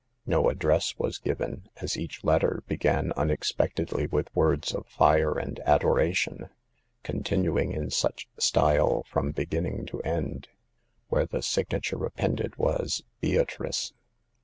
No address was given, as each letter began un expectedly with words of fire and adoration, con tinuing in such style from beginning to end, where the signature appended was Beatrice."